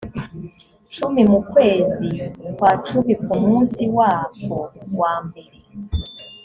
cumi mu kwezi kwa cumi ku munsi wako wa mbere